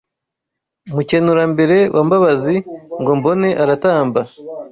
Mukenurambere wa Mbabazi ngo mbone aratamba